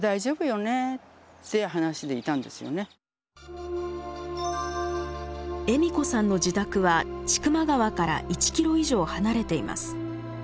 あのまあ栄美子さんの自宅は千曲川から１キロ以上離れています。